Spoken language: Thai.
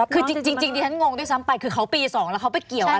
คือจริงดิฉันงงด้วยซ้ำไปคือเขาปี๒แล้วเขาไปเกี่ยวอะไร